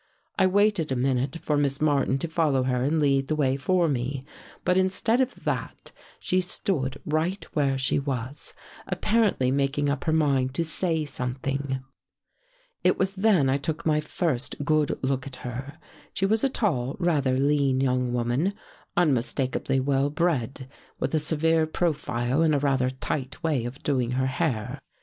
" I waited a minute for Miss Martin to follow her and lead the way for me. But instead of that, she stood right where she was, apparently making up her mind to say something. It was then I took my first good look at her. She was a tall, rather lean young woman, unmistakably well bred, with a severe profile and a rather tight way of doing her hair.